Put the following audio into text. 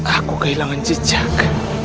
aku kehilangan jejak